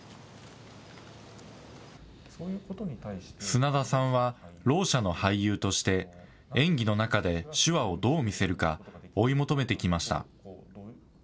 砂田さんは、ろう者の俳優として、演技の中で手話をどう見せるか、追い求めてきました。